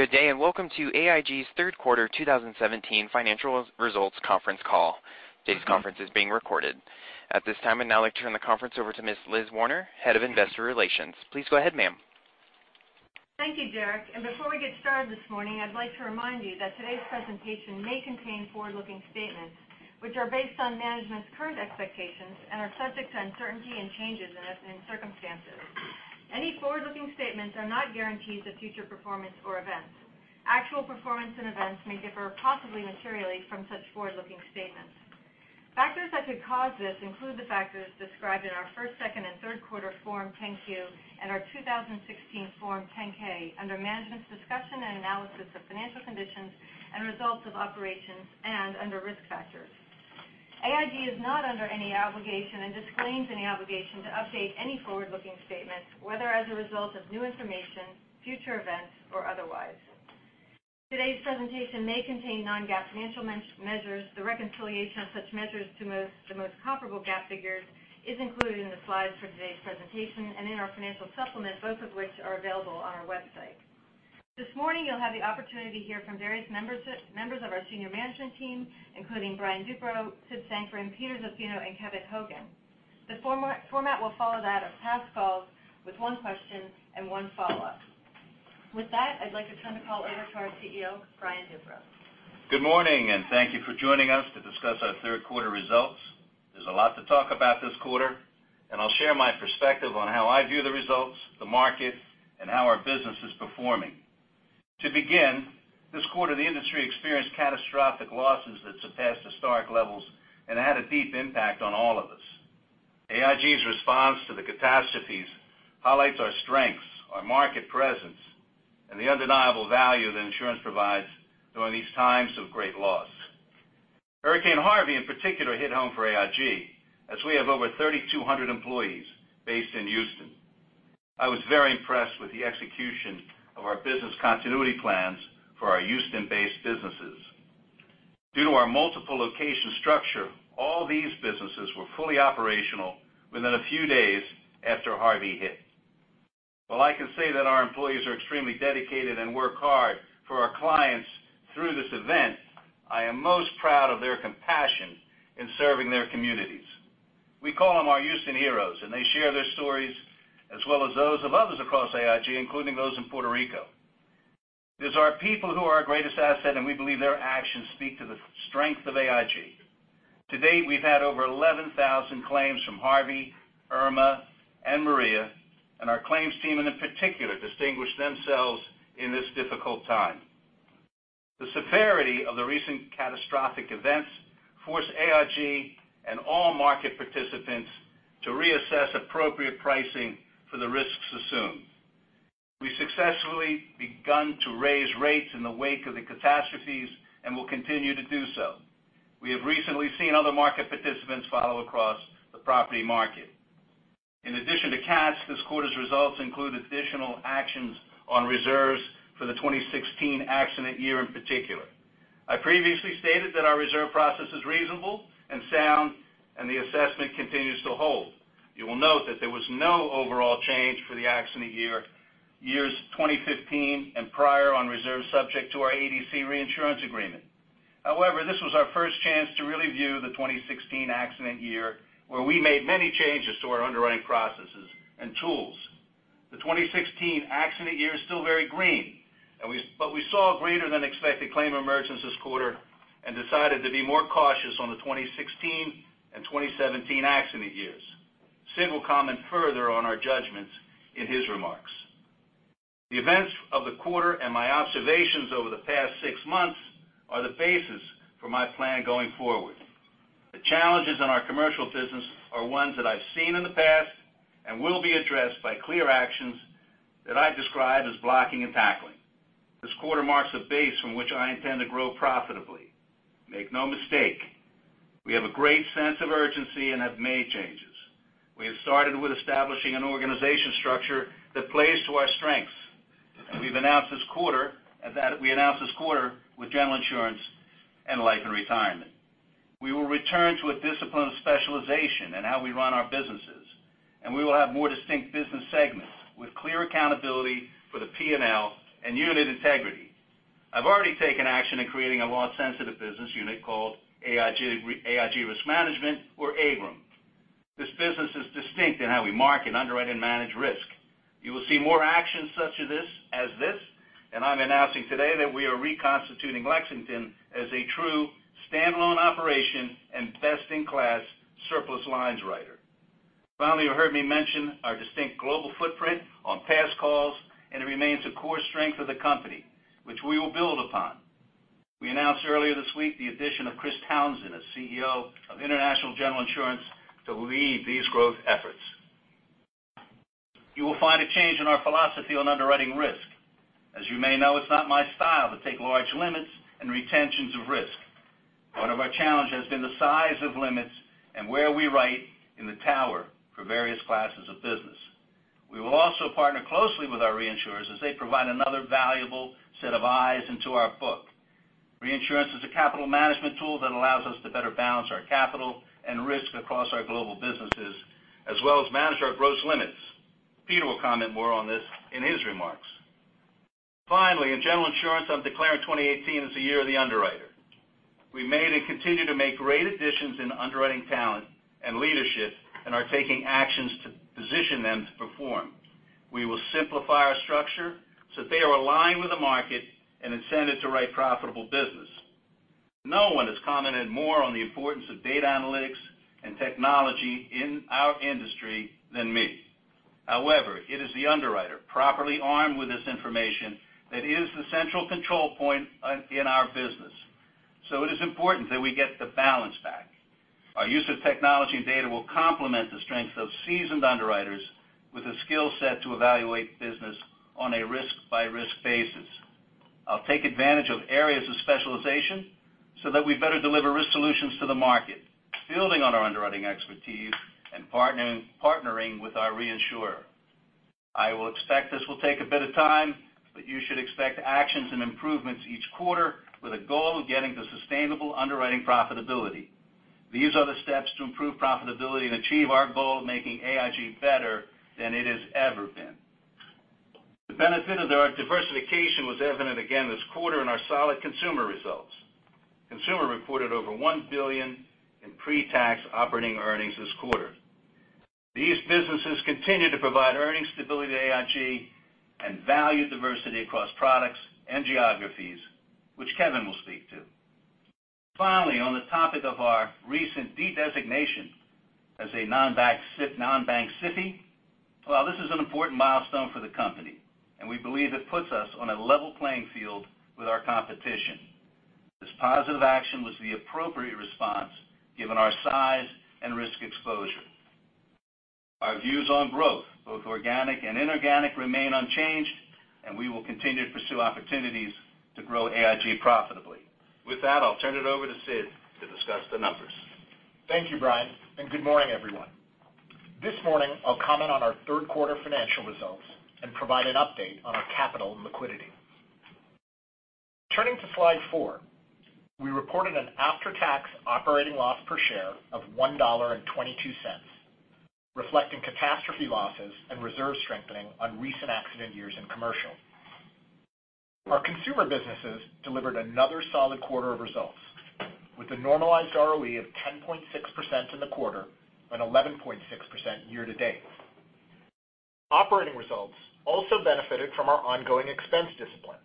Good day. Welcome to AIG's third quarter 2017 financial results conference call. Today's conference is being recorded. At this time, I'd now like to turn the conference over to Ms. Liz Werner, Head of Investor Relations. Please go ahead, ma'am. Thank you, Derek. Before we get started this morning, I'd like to remind you that today's presentation may contain forward-looking statements which are based on management's current expectations and are subject to uncertainty and changes in circumstances. Any forward-looking statements are not guarantees of future performance or events. Actual performance and events may differ possibly materially from such forward-looking statements. Factors that could cause this include the factors described in our first, second, and third quarter Form 10-Q, and our 2016 Form 10-K under Management's Discussion and Analysis of Financial Conditions and Results of Operations, and under Risk Factors. AIG is not under any obligation and disclaims any obligation to update any forward-looking statements, whether as a result of new information, future events, or otherwise. Today's presentation may contain non-GAAP financial measures. The reconciliation of such measures to the most comparable GAAP figures is included in the slides for today's presentation and in our financial supplement, both of which are available on our website. This morning, you'll have the opportunity to hear from various members of our senior management team, including Brian Duperreault, Sid Sankaran, Peter Zaffino, and Kevin Hogan. The format will follow that of past calls with one question and one follow-up. With that, I'd like to turn the call over to our CEO, Brian Duperreault. Good morning. Thank you for joining us to discuss our third quarter results. There's a lot to talk about this quarter. I'll share my perspective on how I view the results, the market, and how our business is performing. To begin, this quarter, the industry experienced catastrophic losses that surpassed historic levels and had a deep impact on all of us. AIG's response to the catastrophes highlights our strengths, our market presence, and the undeniable value that insurance provides during these times of great loss. Hurricane Harvey, in particular, hit home for AIG, as we have over 3,200 employees based in Houston. I was very impressed with the execution of our business continuity plans for our Houston-based businesses. Due to our multiple location structure, all these businesses were fully operational within a few days after Harvey hit. While I can say that our employees are extremely dedicated and work hard for our clients through this event, I am most proud of their compassion in serving their communities. We call them our Houston Heroes, and they share their stories as well as those of others across AIG, including those in Puerto Rico. It is our people who are our greatest asset, and we believe their actions speak to the strength of AIG. To date, we've had over 11,000 claims from Harvey, Irma, and Maria, and our claims team in particular distinguished themselves in this difficult time. The severity of the recent catastrophic events forced AIG and all market participants to reassess appropriate pricing for the risks assumed. We successfully begun to raise rates in the wake of the catastrophes and will continue to do so. We have recently seen other market participants follow across the property market. In addition to cats, this quarter's results include additional actions on reserves for the 2016 accident year in particular. I previously stated that our reserve process is reasonable and sound, and the assessment continues to hold. You will note that there was no overall change for the accident years 2015 and prior on reserves subject to our ADC reinsurance agreement. However, this was our first chance to really view the 2016 accident year, where we made many changes to our underwriting processes and tools. The 2016 accident year is still very green, but we saw greater than expected claim emergence this quarter and decided to be more cautious on the 2016 and 2017 accident years. Sid will comment further on our judgments in his remarks. The events of the quarter and my observations over the past six months are the basis for my plan going forward. The challenges in our commercial business are ones that I've seen in the past and will be addressed by clear actions that I describe as blocking and tackling. This quarter marks a base from which I intend to grow profitably. Make no mistake, we have a great sense of urgency and have made changes. We have started with establishing an organization structure that plays to our strengths. We've announced this quarter with General Insurance and Life and Retirement. We will return to a discipline specialization in how we run our businesses. We will have more distinct business segments with clear accountability for the P&L and unit integrity. I've already taken action in creating a loss-sensitive business unit called AIG Risk Management or AIGRM. This business is distinct in how we market, underwrite, and manage risk. You will see more actions such as this. I'm announcing today that we are reconstituting Lexington as a true standalone operation and best-in-class surplus lines writer. Finally, you heard me mention our distinct global footprint on past calls. It remains a core strength of the company, which we will build upon. We announced earlier this week the addition of Chris Townsend as CEO of International General Insurance to lead these growth efforts. You will find a change in our philosophy on underwriting risk. As you may know, it's not my style to take large limits and retentions of risk. One of our challenges has been the size of limits and where we write in the tower for various classes of business. We will also partner closely with our reinsurers as they provide another valuable set of eyes into our book. Reinsurance is a capital management tool that allows us to better balance our capital and risk across our global businesses, as well as manage our gross limits. Peter will comment more on this in his remarks. Finally, in General Insurance, I'm declaring 2018 as the year of the underwriter. We made and continue to make great additions in underwriting talent and leadership and are taking actions to position them to perform. We will simplify our structure so that they are aligned with the market and incented to write profitable business. No one has commented more on the importance of data analytics and technology in our industry than me. However, it is the underwriter properly armed with this information that is the central control point in our business. It is important that we get the balance back. Our use of technology and data will complement the strengths of seasoned underwriters with the skill set to evaluate business on a risk-by-risk basis. I'll take advantage of areas of specialization so that we better deliver risk solutions to the market, building on our underwriting expertise and partnering with our reinsurer. I will expect this will take a bit of time, but you should expect actions and improvements each quarter with a goal of getting to sustainable underwriting profitability. These are the steps to improve profitability and achieve our goal of making AIG better than it has ever been. The benefit of our diversification was evident again this quarter in our solid consumer results. Consumer reported over $1 billion in pre-tax operating earnings this quarter. These businesses continue to provide earnings stability to AIG and value diversity across products and geographies, which Kevin will speak to. Finally, on the topic of our recent de-designation as a non-bank SIFI. This is an important milestone for the company, we believe it puts us on a level playing field with our competition. This positive action was the appropriate response given our size and risk exposure. Our views on growth, both organic and inorganic, remain unchanged, we will continue to pursue opportunities to grow AIG profitably. With that, I'll turn it over to Sid to discuss the numbers. Thank you, Brian. Good morning, everyone. This morning, I'll comment on our third quarter financial results and provide an update on our capital and liquidity. Turning to slide four, we reported an after-tax operating loss per share of $1.22, reflecting catastrophe losses and reserve strengthening on recent accident years in commercial. Our consumer businesses delivered another solid quarter of results with a normalized ROE of 10.6% in the quarter and 11.6% year to date. Operating results also benefited from our ongoing expense discipline,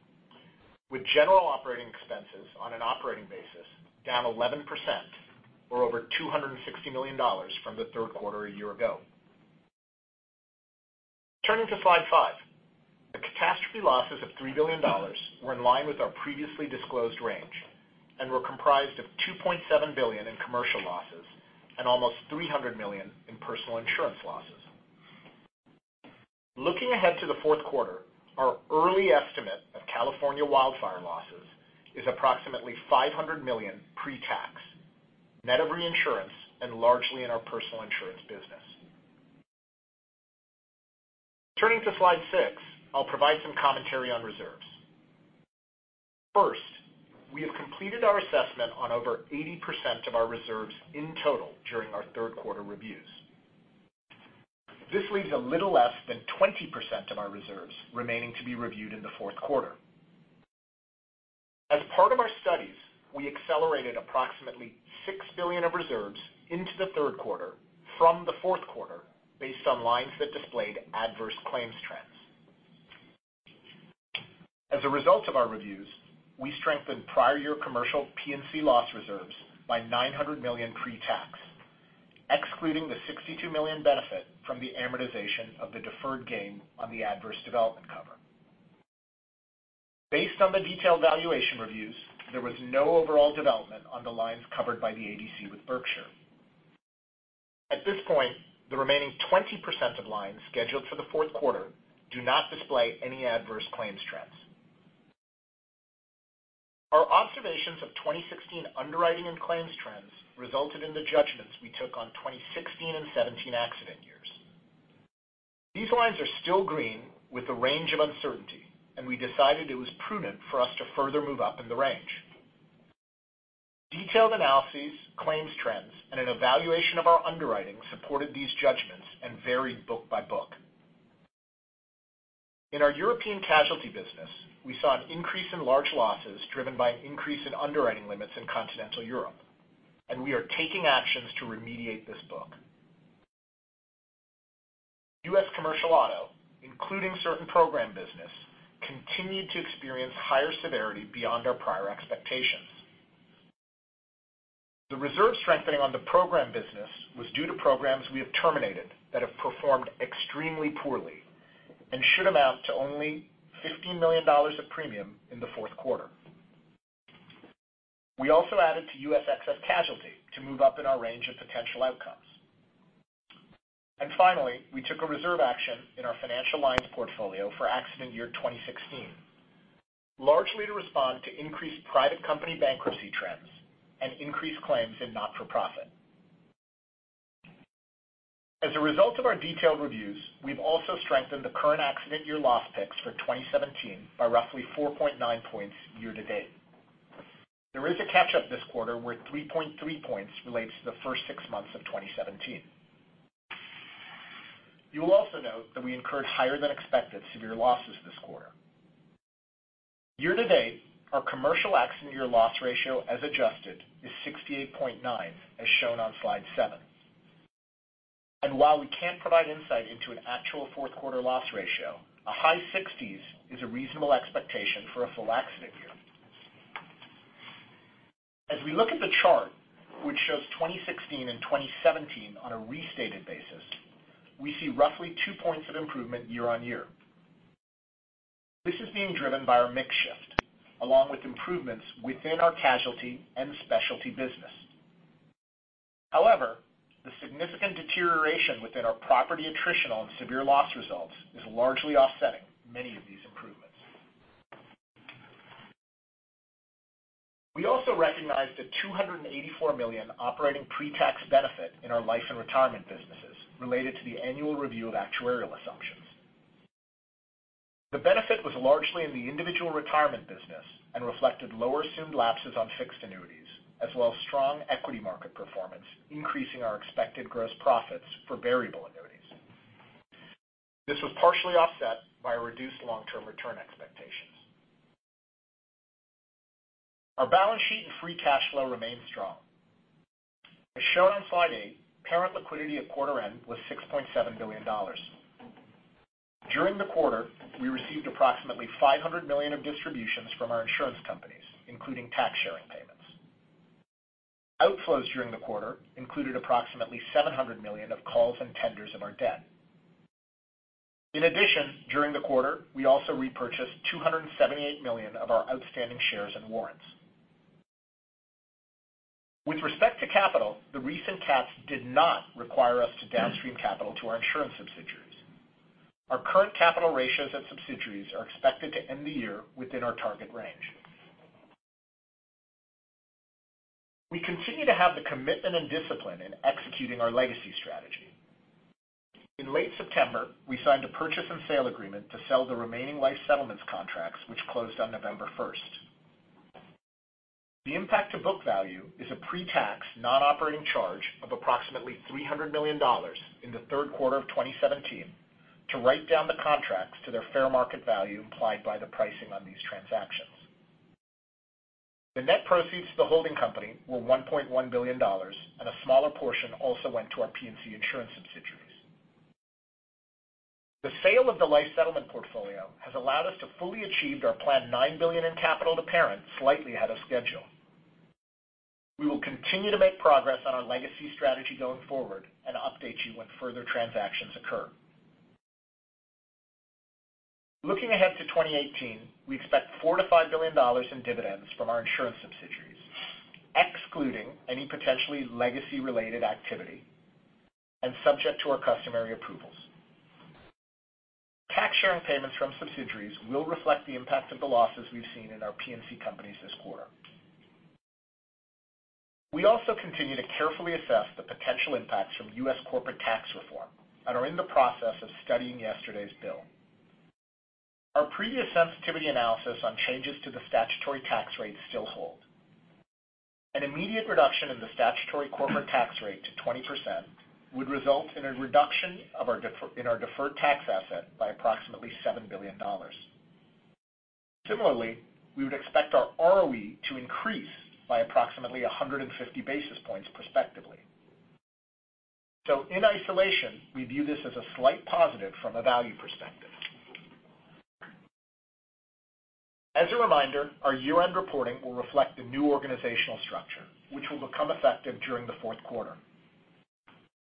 with general operating expenses on an operating basis down 11% or over $260 million from the third quarter a year ago. Turning to slide five. The catastrophe losses of $3 billion were in line with our previously disclosed range and were comprised of $2.7 billion in commercial losses and almost $300 million in Personal Insurance losses. Looking ahead to the fourth quarter, our early estimate of California wildfire losses is approximately $500 million pre-tax, net of reinsurance, and largely in our Personal Insurance business. Turning to slide six, I'll provide some commentary on reserves. First, we have completed our assessment on over 80% of our reserves in total during our third quarter reviews. This leaves a little less than 20% of our reserves remaining to be reviewed in the fourth quarter. As part of our studies, we accelerated approximately $6 billion of reserves into the third quarter from the fourth quarter based on lines that displayed adverse claims trends. As a result of our reviews, we strengthened prior year Commercial P&C loss reserves by $900 million pre-tax, excluding the $62 million benefit from the amortization of the deferred gain on the adverse development cover. Based on the detailed valuation reviews, there was no overall development on the lines covered by the ADC with Berkshire. At this point, the remaining 20% of lines scheduled for the fourth quarter do not display any adverse claims trends. Our observations of 2016 underwriting and claims trends resulted in the judgments we took on 2016 and 2017 accident years. These lines are still green with a range of uncertainty, and we decided it was prudent for us to further move up in the range. Detailed analyses, claims trends, and an evaluation of our underwriting supported these judgments and varied book by book. In our European casualty business, we saw an increase in large losses driven by an increase in underwriting limits in Continental Europe, and we are taking actions to remediate this book. U.S. commercial auto, including certain program business, continued to experience higher severity beyond our prior expectations. The reserve strengthening on the program business was due to programs we have terminated that have performed extremely poorly and should amount to only $15 million of premium in the fourth quarter. We also added to U.S. excess casualty to move up in our range of potential outcomes. Finally, we took a reserve action in our Financial Lines portfolio for accident year 2016, largely to respond to increased private company bankruptcy trends and increased claims in not-for-profit. As a result of our detailed reviews, we've also strengthened the current accident year loss picks for 2017 by roughly 4.9 points year-to-date. There is a catch-up this quarter where 3.3 points relates to the first six months of 2017. You will also note that we incurred higher than expected severe losses this quarter. Year-to-date, our Commercial accident year loss ratio as adjusted is 68.9, as shown on slide seven. While we can't provide insight into an actual fourth quarter loss ratio, a high 60s is a reasonable expectation for a full accident year. As we look at the chart, which shows 2016 and 2017 on a restated basis, we see roughly two points of improvement year-on-year. This is being driven by our mix shift, along with improvements within our casualty and specialty business. However, the significant deterioration within our property attritional and severe loss results is largely offsetting many of these improvements. We also recognized a $284 million operating pre-tax benefit in our Life and Retirement businesses related to the annual review of actuarial assumptions. The benefit was largely in the Individual Retirement business and reflected lower assumed lapses on fixed annuities, as well as strong equity market performance, increasing our expected gross profits for variable annuities. This was partially offset by reduced long-term return expectations. Our balance sheet and free cash flow remain strong. As shown on slide eight, parent liquidity at quarter end was $6.7 billion. During the quarter, we received approximately $500 million of distributions from our insurance companies, including tax sharing payments. Outflows during the quarter included approximately $700 million of calls and tenders of our debt. In addition, during the quarter, we also repurchased $278 million of our outstanding shares and warrants. With respect to capital, the recent tax did not require us to downstream capital to our insurance subsidiaries. Our current capital ratios at subsidiaries are expected to end the year within our target range. We continue to have the commitment and discipline in executing our legacy strategy. In late September, we signed a purchase and sale agreement to sell the remaining life settlements contracts, which closed on November 1st. The impact to book value is a pre-tax, non-operating charge of approximately $300 million in the third quarter of 2017 to write down the contracts to their fair market value implied by the pricing on these transactions. The net proceeds to the holding company were $1.1 billion, and a smaller portion also went to our P&C insurance subsidiaries. The sale of the life settlement portfolio has allowed us to fully achieve our planned $9 billion in capital to parent slightly ahead of schedule. We will continue to make progress on our legacy strategy going forward and update you when further transactions occur. Looking ahead to 2018, we expect $4 billion-$5 billion in dividends from our insurance subsidiaries, excluding any potentially legacy-related activity and subject to our customary approvals. Tax sharing payments from subsidiaries will reflect the impact of the losses we've seen in our P&C companies this quarter. We also continue to carefully assess the potential impacts from U.S. corporate tax reform and are in the process of studying yesterday's bill. Our previous sensitivity analysis on changes to the statutory tax rate still hold. An immediate reduction in the statutory corporate tax rate to 20% would result in a reduction in our deferred tax asset by approximately $7 billion. Similarly, we would expect our ROE to increase by approximately 150 basis points prospectively. In isolation, we view this as a slight positive from a value perspective. As a reminder, our year-end reporting will reflect the new organizational structure, which will become effective during the fourth quarter.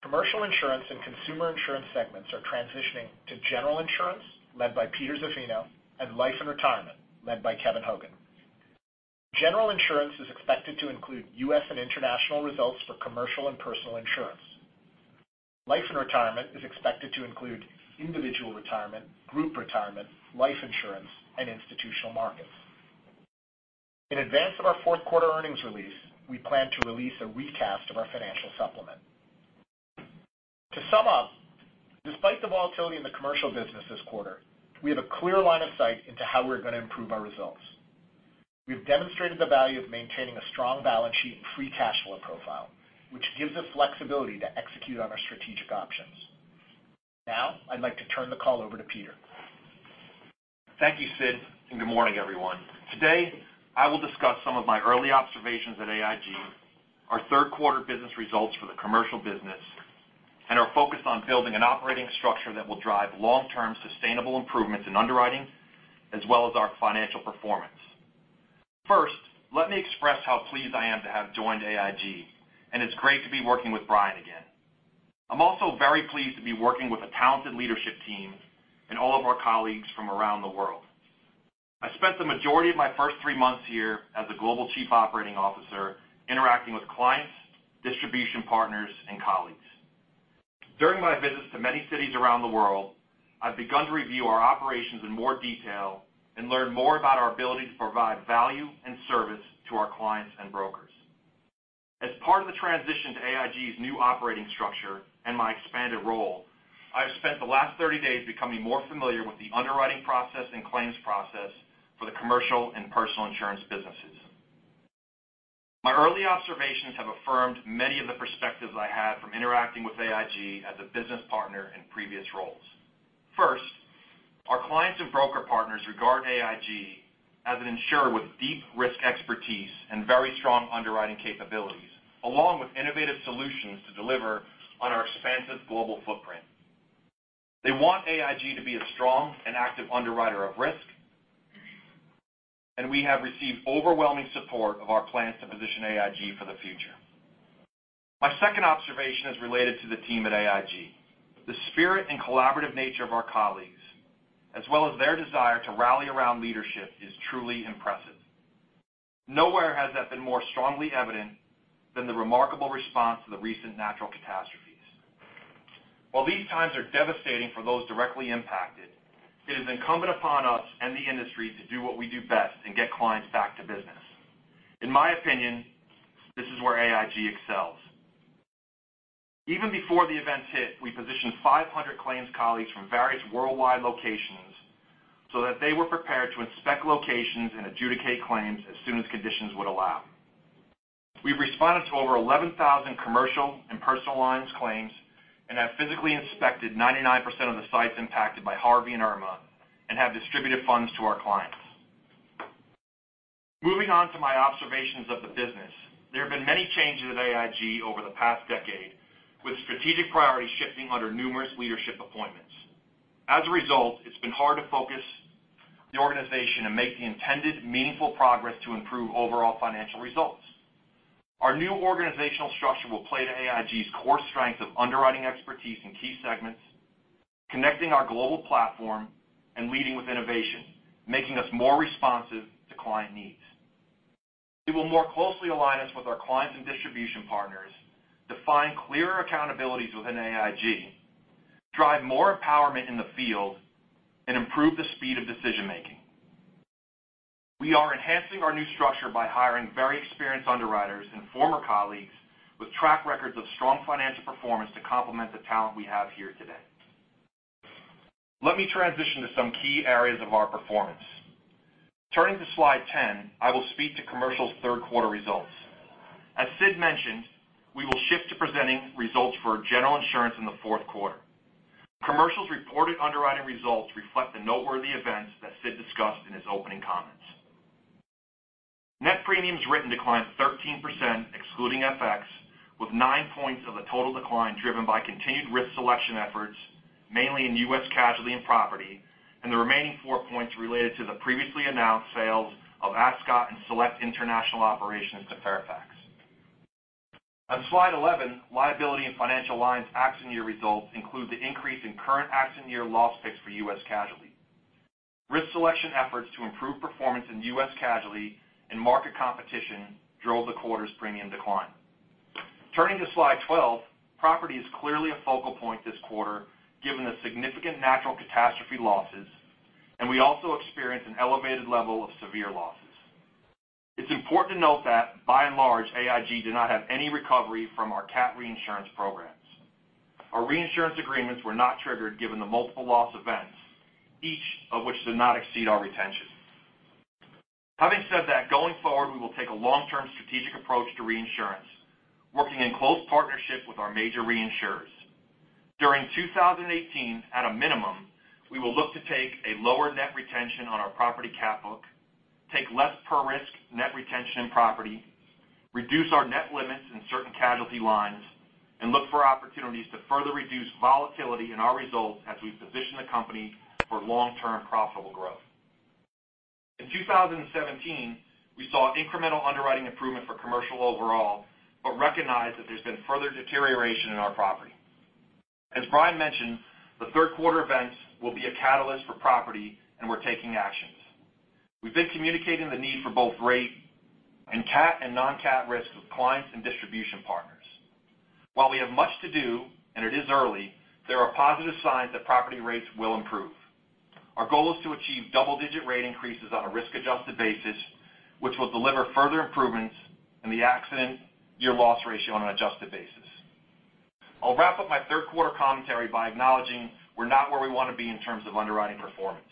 Commercial Insurance and Personal Insurance segments are transitioning to General Insurance, led by Peter Zaffino, and Life and Retirement, led by Kevin Hogan. General Insurance is expected to include U.S. and international results for Commercial Insurance and Personal Insurance. Life and Retirement is expected to include Individual Retirement, Group Retirement, life insurance, and Institutional Markets. In advance of our fourth quarter earnings release, we plan to release a recast of our financial supplement. To sum up, despite the volatility in the commercial business this quarter, we have a clear line of sight into how we're going to improve our results. We have demonstrated the value of maintaining a strong balance sheet and free cash flow profile, which gives us flexibility to execute on our strategic options. I'd like to turn the call over to Peter. Thank you, Sid, and good morning, everyone. Today, I will discuss some of my early observations at AIG, our third quarter business results for the Commercial Insurance, and our focused on building an operating structure that will drive long-term sustainable improvements in underwriting as well as our financial performance. Let me express how pleased I am to have joined AIG, and it's great to be working with Brian again. I'm also very pleased to be working with a talented leadership team and all of our colleagues from around the world. I spent the majority of my first three months here as a Global Chief Operating Officer interacting with clients, distribution partners, and colleagues. During my visits to many cities around the world, I've begun to review our operations in more detail and learn more about our ability to provide value and service to our clients and brokers. As part of the transition to AIG's new operating structure and my expanded role, I've spent the last 30 days becoming more familiar with the underwriting process and claims process for the Commercial Insurance and Personal Insurance businesses. My early observations have affirmed many of the perspectives I had from interacting with AIG as a business partner in previous roles. Our clients and broker partners regard AIG as an insurer with deep risk expertise and very strong underwriting capabilities, along with innovative solutions to deliver on our expansive global footprint. They want AIG to be a strong and active underwriter of risk, and we have received overwhelming support of our plans to position AIG for the future. My second observation is related to the team at AIG. The spirit and collaborative nature of our colleagues, as well as their desire to rally around leadership, is truly impressive. Nowhere has that been more strongly evident than the remarkable response to the recent natural catastrophes. While these times are devastating for those directly impacted, it is incumbent upon us and the industry to do what we do best and get clients back to business. In my opinion, this is where AIG excels. Even before the events hit, we positioned 500 claims colleagues from various worldwide locations so that they were prepared to inspect locations and adjudicate claims as soon as conditions would allow. We've responded to over 11,000 Commercial Insurance and Personal Insurance claims and have physically inspected 99% of the sites impacted by Harvey and Irma and have distributed funds to our clients. Moving on to my observations of the business. There have been many changes at AIG over the past decade, with strategic priorities shifting under numerous leadership appointments. It's been hard to focus the organization and make the intended meaningful progress to improve overall financial results. Our new organizational structure will play to AIG's core strength of underwriting expertise in key segments, connecting our global platform and leading with innovation, making us more responsive to client needs. It will more closely align us with our clients and distribution partners, define clearer accountabilities within AIG, drive more empowerment in the field, and improve the speed of decision-making. We are enhancing our new structure by hiring very experienced underwriters and former colleagues with track records of strong financial performance to complement the talent we have here today. Let me transition to some key areas of our performance. Turning to slide 10, I will speak to Commercial's third quarter results. As Sid mentioned, we will shift to presenting results for General Insurance in the fourth quarter. Commercial's reported underwriting results reflect the noteworthy events that Sid discussed in his opening comments. Net premiums written declined 13%, excluding FX, with nine points of the total decline driven by continued risk selection efforts, mainly in U.S. casualty and property, and the remaining four points related to the previously announced sales of Ascot and select international operations to Fairfax. On slide 11, liability and Financial Lines accident year results include the increase in current accident year loss picks for U.S. casualty. Risk selection efforts to improve performance in U.S. casualty and market competition drove the quarter's premium decline. Turning to slide 12, property is clearly a focal point this quarter given the significant natural catastrophe losses, and we also experienced an elevated level of severe losses. It's important to note that by and large, AIG did not have any recovery from our cat reinsurance programs. Our reinsurance agreements were not triggered given the multiple loss events, each of which did not exceed our retention. Having said that, going forward, we will take a long-term strategic approach to reinsurance, working in close partnership with our major reinsurers. During 2018, at a minimum, we will look to take a lower net retention on our property cat book, take less per risk net retention in property, reduce our net limits in certain casualty lines, and look for opportunities to further reduce volatility in our results as we position the company for long-term profitable growth. In 2017, we saw incremental underwriting improvement for Commercial overall, recognized that there's been further deterioration in our property. As Brian mentioned, the third quarter events will be a catalyst for property, and we're taking actions. We've been communicating the need for both rate and cat and non-cat risks with clients and distribution partners. While we have much to do and it is early, there are positive signs that property rates will improve. Our goal is to achieve double-digit rate increases on a risk-adjusted basis, which will deliver further improvements in the accident year loss ratio on an adjusted basis. I'll wrap up my third-quarter commentary by acknowledging we're not where we want to be in terms of underwriting performance.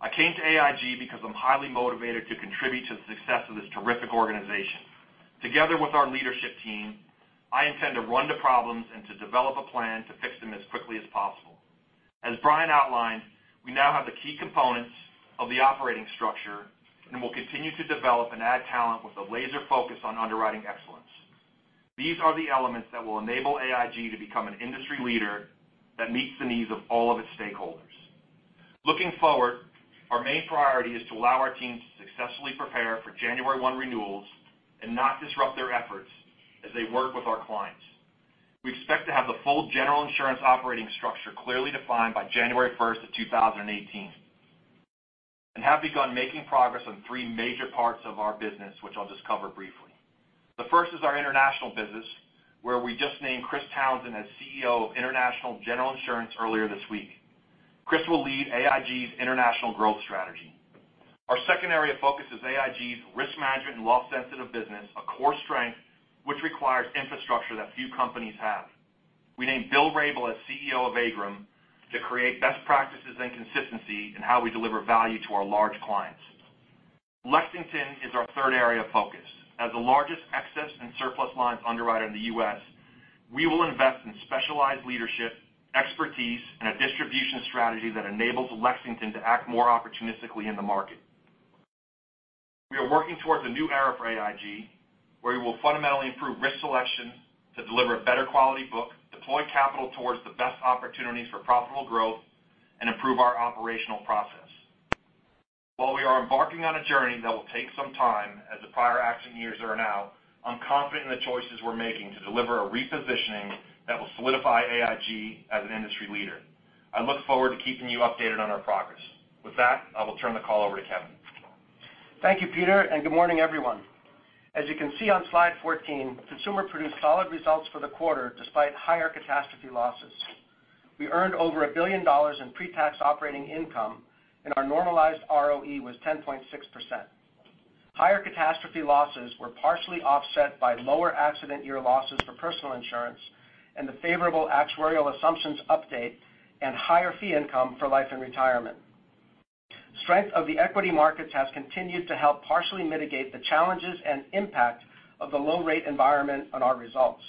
I came to AIG because I'm highly motivated to contribute to the success of this terrific organization. Together with our leadership team, I intend to run to problems and to develop a plan to fix them as quickly as possible. As Brian outlined, we now have the key components of the operating structure and will continue to develop and add talent with a laser focus on underwriting excellence. These are the elements that will enable AIG to become an industry leader that meets the needs of all of its stakeholders. Looking forward, our main priority is to allow our teams to successfully prepare for January 1 renewals and not disrupt their efforts as they work with our clients. We expect to have the full General Insurance operating structure clearly defined by January 1st of 2018. We have begun making progress on three major parts of our business, which I'll just cover briefly. The first is our international business, where we just named Chris Townsend as CEO of International General Insurance earlier this week. Chris will lead AIG's international growth strategy. Our second area of focus is AIG's risk management and loss-sensitive business, a core strength which requires infrastructure that few companies have. We named Bill Rabl as CEO of AIGRM to create best practices and consistency in how we deliver value to our large clients. Lexington is our third area of focus. As the largest excess and surplus lines underwriter in the U.S., we will invest in specialized leadership, expertise, and a distribution strategy that enables Lexington to act more opportunistically in the market. We are working towards a new era for AIG, where we will fundamentally improve risk selection to deliver a better quality book, deploy capital towards the best opportunities for profitable growth, and improve our operational process. While we are embarking on a journey that will take some time, as the prior action years are now, I'm confident in the choices we're making to deliver a repositioning that will solidify AIG as an industry leader. I look forward to keeping you updated on our progress. With that, I will turn the call over to Kevin. Thank you, Peter, and good morning, everyone. As you can see on slide 14, consumer produced solid results for the quarter despite higher catastrophe losses. We earned over $1 billion in pre-tax operating income, and our normalized ROE was 10.6%. Higher catastrophe losses were partially offset by lower accident year losses for Personal Insurance and the favorable actuarial assumptions update and higher fee income for Life and Retirement. Strength of the equity markets has continued to help partially mitigate the challenges and impact of the low-rate environment on our results.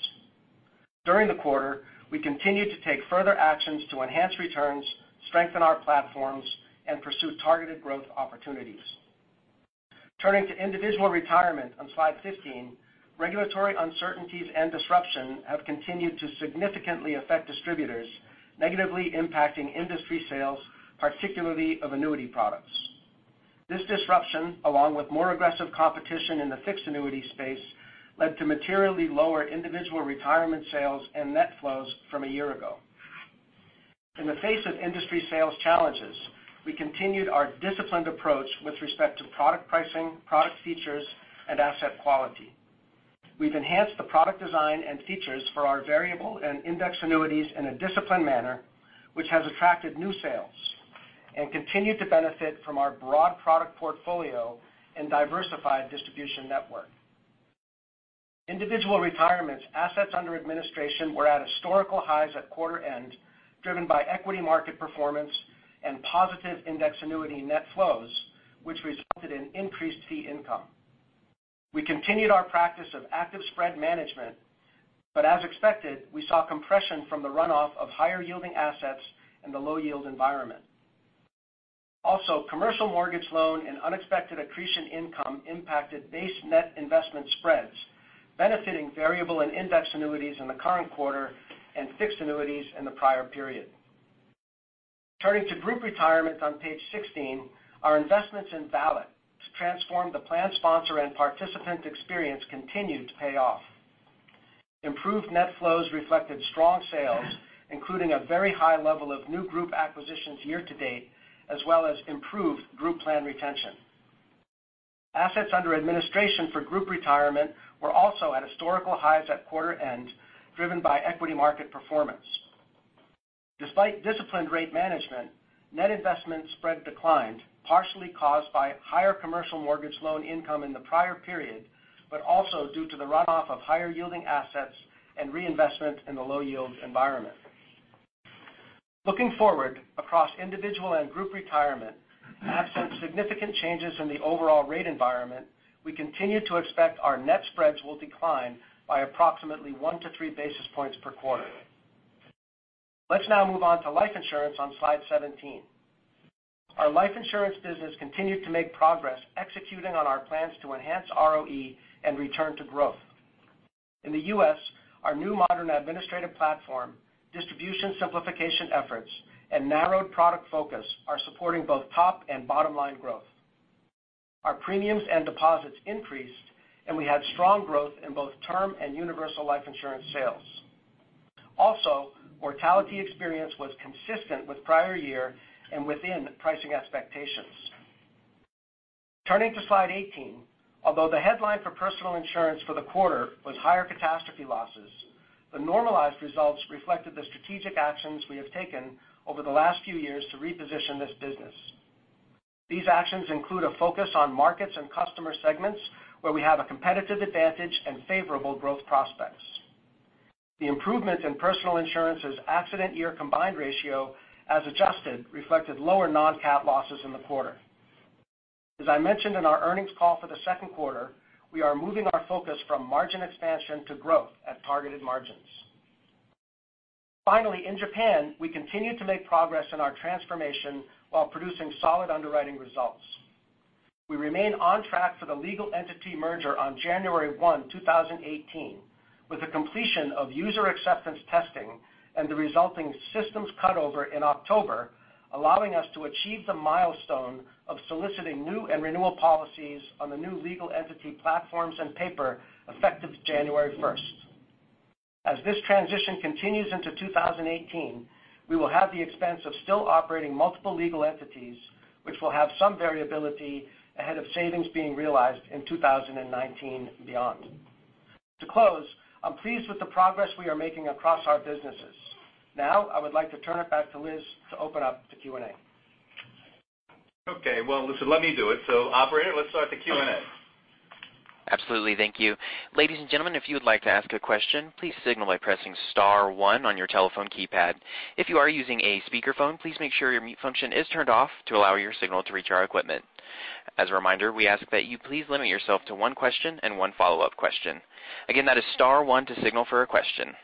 During the quarter, we continued to take further actions to enhance returns, strengthen our platforms, and pursue targeted growth opportunities. Turning to Individual Retirement on slide 15, regulatory uncertainties and disruption have continued to significantly affect distributors, negatively impacting industry sales, particularly of annuity products. This disruption, along with more aggressive competition in the fixed annuity space, led to materially lower Individual Retirement sales and net flows from a year ago. In the face of industry sales challenges, we continued our disciplined approach with respect to product pricing, product features, and asset quality. We've enhanced the product design and features for our variable and indexed annuities in a disciplined manner, which has attracted new sales and continued to benefit from our broad product portfolio and diversified distribution network. Individual Retirement assets under administration were at historical highs at quarter end, driven by equity market performance and positive indexed annuity net flows, which resulted in increased fee income. As expected, we saw compression from the runoff of higher yielding assets in the low yield environment. Commercial mortgage loan and unexpected accretion income impacted base net investment spreads, benefiting variable and indexed annuities in the current quarter and fixed annuities in the prior period. Turning to Group Retirement on page 16, our investments in VALIC to transform the plan sponsor and participant experience continued to pay off. Improved net flows reflected strong sales, including a very high level of new group acquisitions year to date, as well as improved group plan retention. Assets under administration for Group Retirement were also at historical highs at quarter end, driven by equity market performance. Despite disciplined rate management, net investment spread declined, partially caused by higher commercial mortgage loan income in the prior period, also due to the runoff of higher yielding assets and reinvestment in the low yield environment. Looking forward across Individual and Group Retirement, absent significant changes in the overall rate environment, we continue to expect our net spreads will decline by approximately 1 to 3 basis points per quarter. Let's now move on to life insurance on slide 17. Our life insurance business continued to make progress executing on our plans to enhance ROE and return to growth. In the U.S., our new modern administrative platform, distribution simplification efforts, and narrowed product focus are supporting both top and bottom line growth. We had strong growth in both term and universal life insurance sales. Mortality experience was consistent with prior year and within pricing expectations. Turning to slide 18, although the headline for Personal Insurance for the quarter was higher catastrophe losses, the normalized results reflected the strategic actions we have taken over the last few years to reposition this business. These actions include a focus on markets and customer segments where we have a competitive advantage and favorable growth prospects. The improvements in Personal Insurance's accident year combined ratio as adjusted reflected lower non-cat losses in the quarter. As I mentioned in our earnings call for the second quarter, we are moving our focus from margin expansion to growth at targeted margins. In Japan, we continue to make progress in our transformation while producing solid underwriting results. We remain on track for the legal entity merger on January 1, 2018, with the completion of user acceptance testing and the resulting systems cut over in October, allowing us to achieve the milestone of soliciting new and renewal policies on the new legal entity platforms and paper effective January 1st. As this transition continues into 2018, we will have the expense of still operating multiple legal entities, which will have some variability ahead of savings being realized in 2019 and beyond. To close, I'm pleased with the progress we are making across our businesses. I would like to turn it back to Liz to open up to Q&A. Okay. Well, listen, let me do it. Operator, let's start the Q&A. Absolutely. Thank you. Ladies and gentlemen, if you would like to ask a question, please signal by pressing *1 on your telephone keypad. If you are using a speakerphone, please make sure your mute function is turned off to allow your signal to reach our equipment. As a reminder, we ask that you please limit yourself to one question and one follow-up question. Again, that is *1 to signal for a question.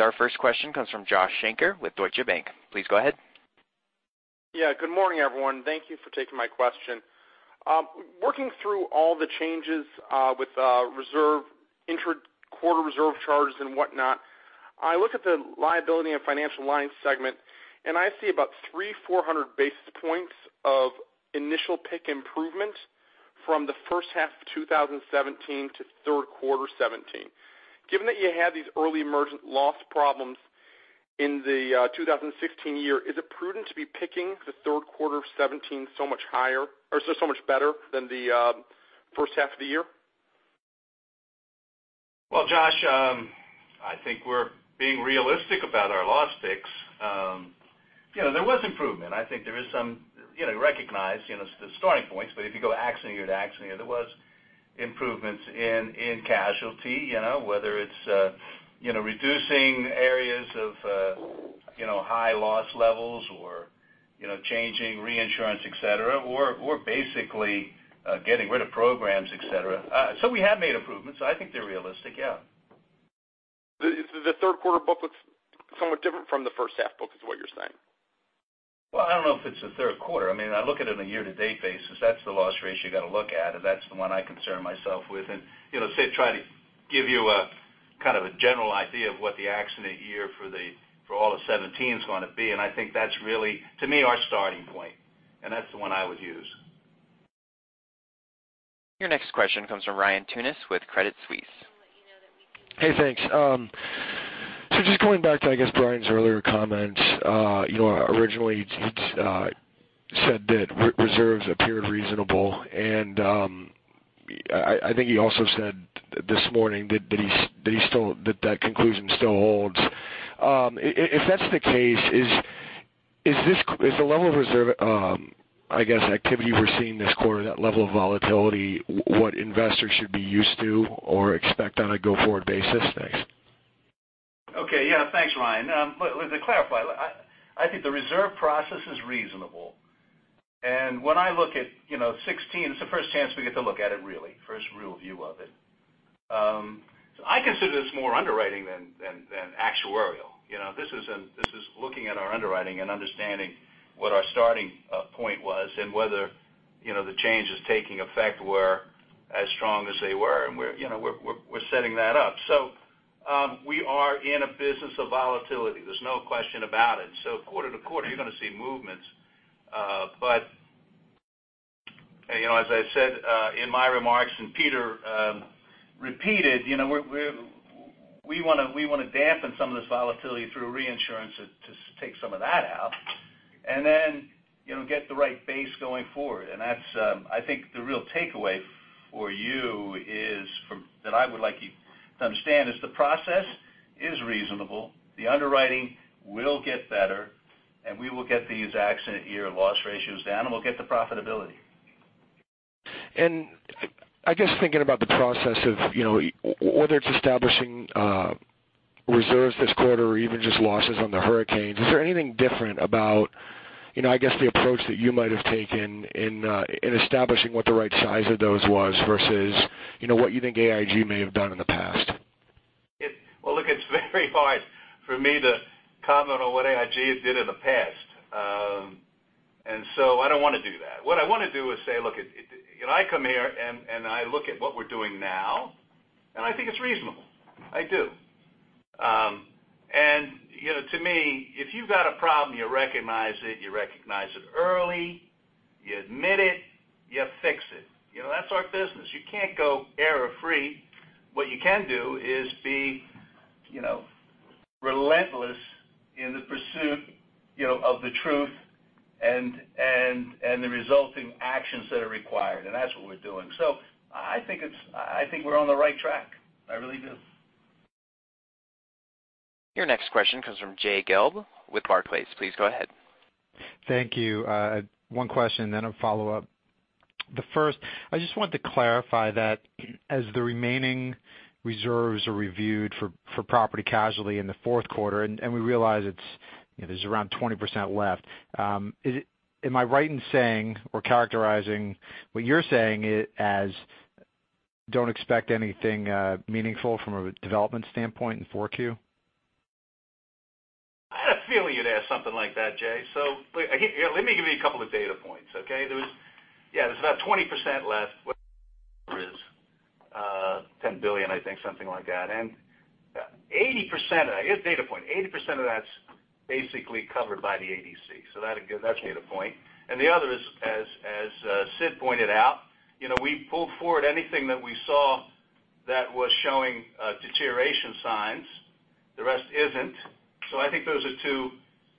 Our first question comes from Joshua Shanker with Deutsche Bank. Please go ahead. Yeah. Good morning, everyone. Thank you for taking my question. Working through all the changes with reserve inter-quarter reserve charges and whatnot, I look at the liability and Financial Lines segment, I see about 3, 400 basis points of initial pick improvement from the first half of 2017 to third quarter '17. Given that you had these early emergent loss problems in the 2016 year, is it prudent to be picking the third quarter of '17 so much higher or so much better than the first half of the year? Well, Josh, I think we're being realistic about our loss picks. There was improvement. I think there is some recognized starting points, but if you go accident year to accident year, there was improvements in casualty, whether it's reducing areas of high loss levels or changing reinsurance, et cetera, or basically getting rid of programs, et cetera. We have made improvements. I think they're realistic, yeah. The third quarter book looks somewhat different from the first half book, is what you're saying? Well, I don't know if it's the third quarter. I look at it on a year-to-date basis. That's the loss ratio you got to look at, and that's the one I concern myself with. Say, try to give you a kind of a general idea of what the accident year for all of 2017 is going to be. I think that's really, to me, our starting point, and that's the one I would use. Your next question comes from Ryan Tunis with Credit Suisse. Hey, thanks. Just going back to, I guess, Brian's earlier comments, originally he'd said that reserves appeared reasonable. I think he also said this morning that that conclusion still holds. If that's the case, is the level of reserve, I guess, activity we're seeing this quarter, that level of volatility, what investors should be used to or expect on a go-forward basis next? Okay. Yeah. Thanks, Ryan. To clarify, I think the reserve process is reasonable. When I look at 2016, it's the first chance we get to look at it, really. First real view of it. I consider this more underwriting than actuarial. This is looking at our underwriting and understanding what our starting point was and whether the changes taking effect were as strong as they were, and we're setting that up. We are in a business of volatility. There's no question about it. Quarter to quarter, you're going to see movements. As I said in my remarks, and Peter repeated, we want to dampen some of this volatility through reinsurance to take some of that out and then get the right base going forward. That's, I think, the real takeaway for you is, that I would like you to understand, is the process is reasonable. The underwriting will get better, we will get these accident year loss ratios down, we'll get the profitability. I guess thinking about the process of whether it's establishing reserves this quarter or even just losses on the hurricanes, is there anything different about, I guess, the approach that you might have taken in establishing what the right size of those was versus what you think AIG may have done in the past? Well, look, it's very hard for me to comment on what AIG did in the past. I don't want to do that. What I want to do is say, look, I come here and I look at what we're doing now, and I think it's reasonable. I do. To me, if you've got a problem, you recognize it, you recognize it early, you admit it, you fix it. That's our business. You can't go error free. What you can do is be relentless in the pursuit of the truth and the resulting actions that are required, and that's what we're doing. I think we're on the right track. I really do. Your next question comes from Jay Gelb with Barclays. Please go ahead. Thank you. One question, then a follow-up. The first, I just wanted to clarify that as the remaining reserves are reviewed for property casualty in the fourth quarter, and we realize there's around 20% left. Am I right in saying or characterizing what you're saying as don't expect anything meaningful from a development standpoint in 4Q? I had a feeling you'd ask something like that, Jay. Let me give you a couple of data points, okay? There's about 20% left, whatever that number is, $10 billion, I think, something like that. Here's a data point. 80% of that's Basically covered by the ADC. That's made a point. The other is, as Sid pointed out, we pulled forward anything that we saw that was showing deterioration signs, the rest isn't. I think those are two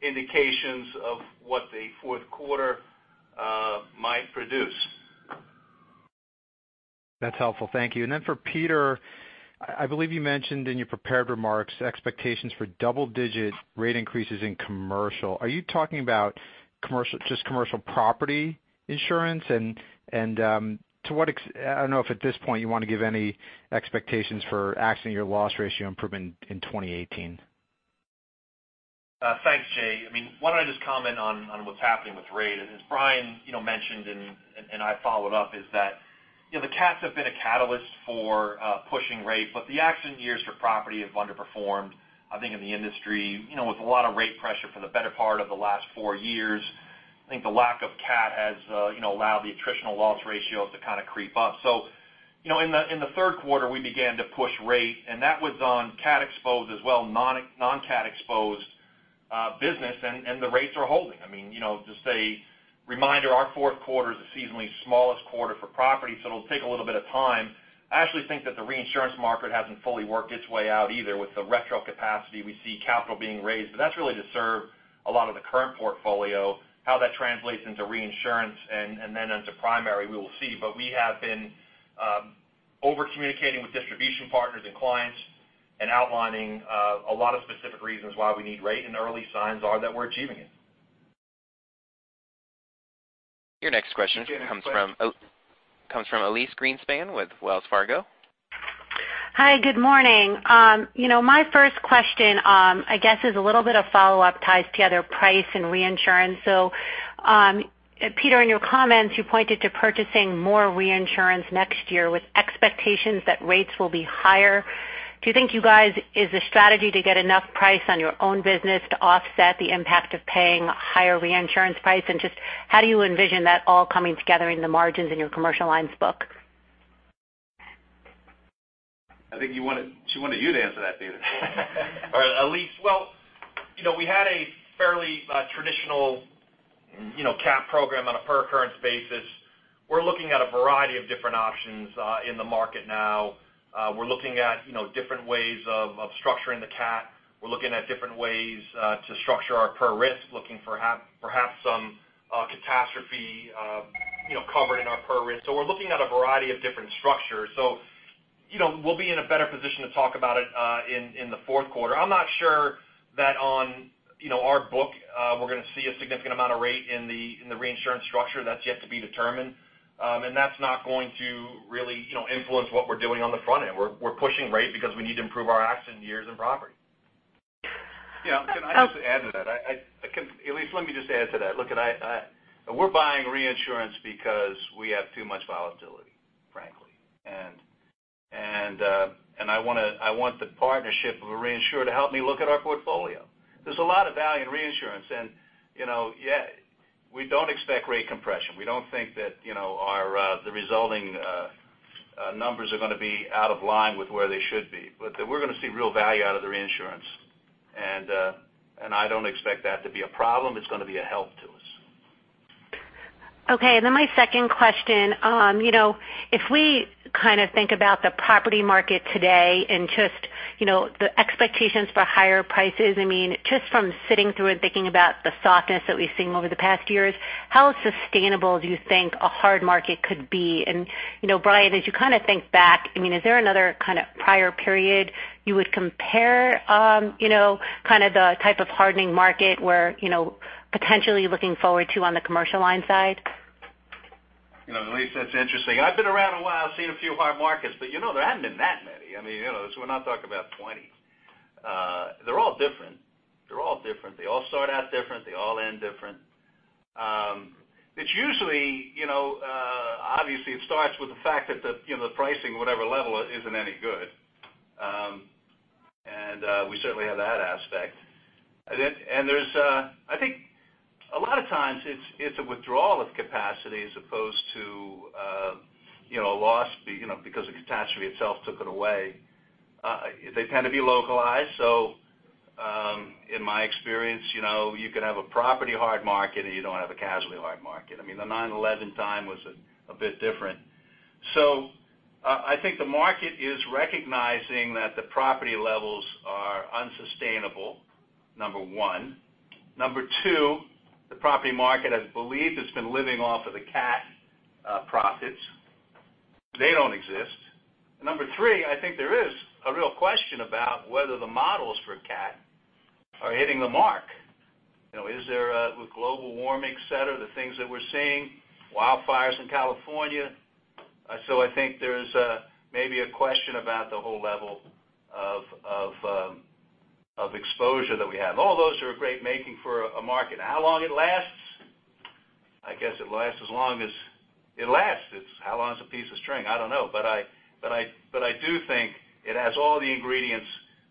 indications of what the fourth quarter might produce. That's helpful. Thank you. For Peter, I believe you mentioned in your prepared remarks, expectations for double-digit rate increases in commercial. Are you talking about just commercial property insurance? I don't know if at this point you want to give any expectations for accident year loss ratio improvement in 2018. Thanks, Jay. Why don't I just comment on what's happening with rate? As Brian mentioned, I followed up, is that the cats have been a catalyst for pushing rate, but the accident years for property have underperformed, I think in the industry, with a lot of rate pressure for the better part of the last four years. I think the lack of cat has allowed the attritional loss ratios to kind of creep up. In the third quarter, we began to push rate, that was on cat exposed as well, non-cat exposed business, and the rates are holding. Just a reminder, our fourth quarter is the seasonally smallest quarter for property, so it'll take a little bit of time. I actually think that the reinsurance market hasn't fully worked its way out either with the retro capacity. We see capital being raised. That's really to serve a lot of the current portfolio, how that translates into reinsurance and then into primary, we will see. We have been over-communicating with distribution partners and clients and outlining a lot of specific reasons why we need rate, and the early signs are that we're achieving it. Your next question comes from Elyse Greenspan with Wells Fargo. Hi. Good morning. My first question, I guess is a little bit of follow-up ties together price and reinsurance. Peter, in your comments, you pointed to purchasing more reinsurance next year with expectations that rates will be higher. Do you think you guys, is the strategy to get enough price on your own business to offset the impact of paying higher reinsurance price, and just how do you envision that all coming together in the margins in your commercial lines book? I think she wanted you to answer that, Peter. All right, Elyse. We had a fairly traditional cat program on a per occurrence basis. We're looking at a variety of different options in the market now. We're looking at different ways of structuring the cat. We're looking at different ways to structure our per risk, looking for perhaps some catastrophe cover in our per risk. We're looking at a variety of different structures. We'll be in a better position to talk about it in the fourth quarter. I'm not sure that on our book, we're going to see a significant amount of rate in the reinsurance structure. That's yet to be determined. That's not going to really influence what we're doing on the front end. We're pushing rate because we need to improve our accident years and property. Can I just add to that? Elyse, let me just add to that. We're buying reinsurance because we have too much volatility, frankly. I want the partnership of a reinsurer to help me look at our portfolio. There's a lot of value in reinsurance, we don't expect rate compression. We don't think that the resulting numbers are going to be out of line with where they should be. We're going to see real value out of the reinsurance. I don't expect that to be a problem. It's going to be a help to us. My second question. If we kind of think about the property market today and just the expectations for higher prices, just from sitting through and thinking about the softness that we've seen over the past years, how sustainable do you think a hard market could be? Brian, as you kind of think back, is there another kind of prior period you would compare the type of hardening market we're potentially looking forward to on the commercial line side? Elyse, that's interesting. I've been around a while, seen a few hard markets, but there haven't been that many. We're not talking about 20. They're all different. They all start out different. They all end different. Obviously, it starts with the fact that the pricing, whatever level, isn't any good. We certainly have that aspect. I think a lot of times it's a withdrawal of capacity as opposed to a loss because the catastrophe itself took it away. They tend to be localized. In my experience, you can have a property hard market, and you don't have a casualty hard market. The 9/11 time was a bit different. I think the market is recognizing that the property levels are unsustainable, number one. Number two, the property market, I believe, has been living off of the cat profits. They don't exist. Number three, I think there is a real question about whether the models for cat are hitting the mark. With global warming, et cetera, the things that we're seeing, wildfires in California. I think there's maybe a question about the whole level of exposure that we have. All those are great making for a market. How long it lasts? I guess it lasts as long as it lasts. How long is a piece of string? I don't know. I do think it has all the ingredients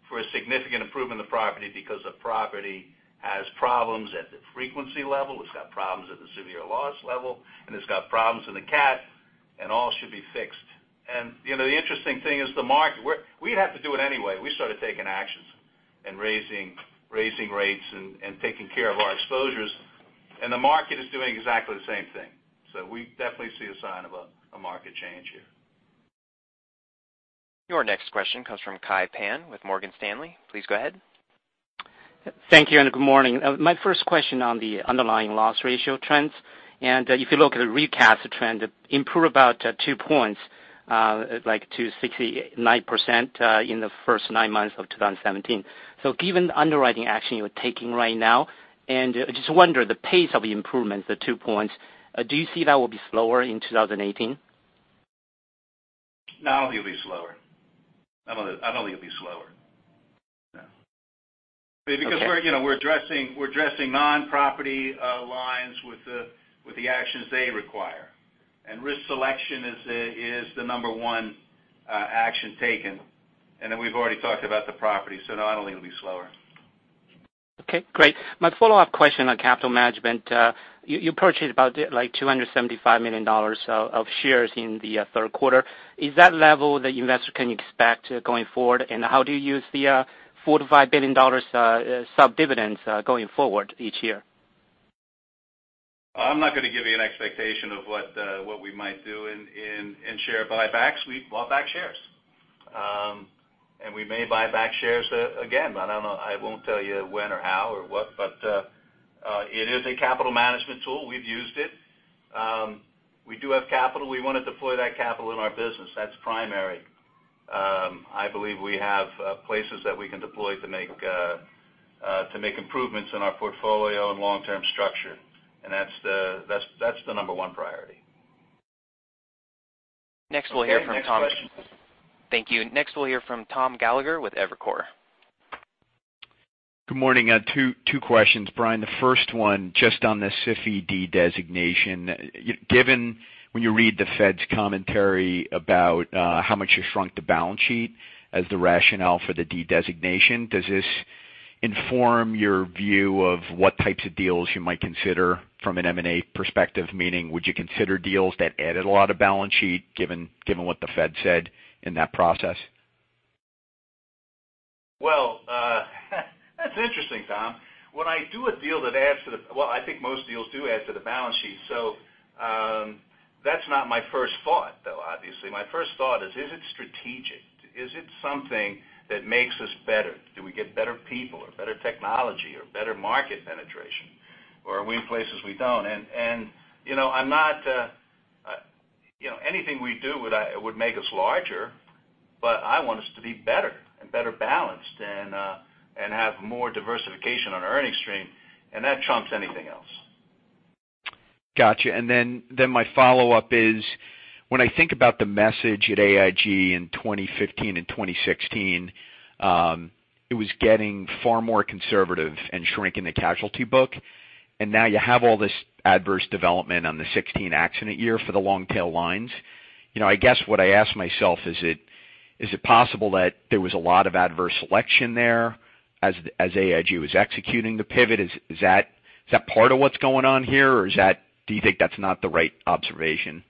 for a significant improvement in the property because the property has problems at the frequency level, it's got problems at the severe loss level, and it's got problems in the cat. All should be fixed. The interesting thing is the market. We'd have to do it anyway. We started taking actions and raising rates and taking care of our exposures, and the market is doing exactly the same thing. We definitely see a sign of a market change here. Your next question comes from Kai Pan with Morgan Stanley. Please go ahead. Thank you, and good morning. My first question on the underlying loss ratio trends, if you look at the recast trend, improve about two points, like to 69% in the first nine months of 2017. Given the underwriting action you're taking right now, I just wonder, the pace of the improvements at two points, do you see that will be slower in 2018? No, I don't think it'll be slower. I don't think it'll be slower. No. Okay. Because we're addressing non-property lines with the actions they require. Risk selection is the number 1 action taken. We've already talked about the property, no, I don't think it'll be slower. Okay, great. My follow-up question on capital management. You purchased about $275 million of shares in the third quarter. Is that level that investor can expect going forward? How do you use the $45 billion sub-dividends going forward each year? I'm not going to give you an expectation of what we might do in share buybacks. We bought back shares. We may buy back shares again, but I don't know. I won't tell you when or how or what, but it is a capital management tool. We've used it. We do have capital. We want to deploy that capital in our business. That's primary. I believe we have places that we can deploy to make improvements in our portfolio and long-term structure. That's the number one priority. Next, we'll hear from Tom. Okay, next question. Thank you. Next, we'll hear from Thomas Gallagher with Evercore. Good morning. Two questions, Brian. The first one just on the SIFI de-designation. Given when you read the Fed's commentary about how much you shrunk the balance sheet as the rationale for the de-designation, does this inform your view of what types of deals you might consider from an M&A perspective? Meaning, would you consider deals that added a lot of balance sheet, given what the Fed said in that process? Well, that's interesting, Tom. When I do a deal that adds to the-- well, I think most deals do add to the balance sheet, so that's not my first thought, though, obviously. My first thought is it strategic? Is it something that makes us better? Do we get better people or better technology or better market penetration? Or are we in places we don't? Anything we do would make us larger, but I want us to be better and better balanced and have more diversification on our earnings stream. That trumps anything else. Got you. My follow-up is, when I think about the message at AIG in 2015 and 2016 it was getting far more conservative and shrinking the casualty book. Now you have all this adverse development on the 2016 accident year for the long-tail lines. I guess what I ask myself, is it possible that there was a lot of adverse selection there as AIG was executing the pivot? Is that part of what's going on here, or do you think that's not the right observation?